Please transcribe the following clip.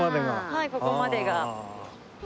はいここまでが。